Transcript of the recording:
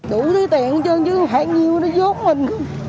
đủ cái tiền chứ khoảng nhiều nó dốt mình